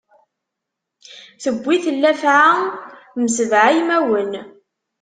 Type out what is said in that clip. Tewwi-t llefɛa, m sebɛa yimawen.